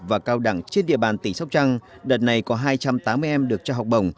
và cao đẳng trên địa bàn tỉnh sóc trăng đợt này có hai trăm tám mươi em được trao học bổng